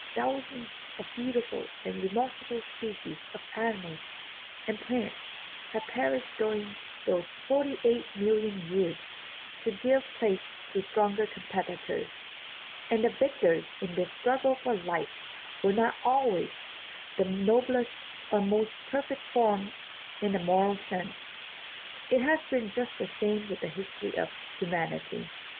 Thousands of beautiful and remarkable species of animals and plants have per ished during those forty eight million years, to give place to stronger competitors, and the victors in this struggle for life were not always the noblest or most perfect forms in a moral sense. It has been just the same with the history of human ity.